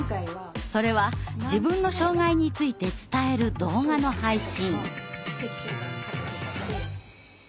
それは自分の障害について伝える動画の配信。